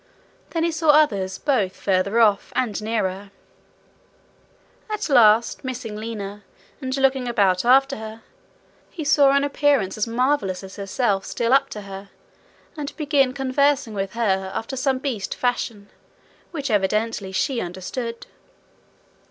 Then he saw others both farther off and nearer. At last, missing Lina and looking about after her, he saw an appearance as marvellous as herself steal up to her, and begin conversing with her after some beast fashion which evidently she understood.